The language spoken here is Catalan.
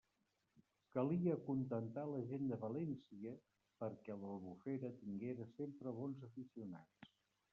Calia acontentar la gent de València, perquè l'Albufera tinguera sempre bons aficionats.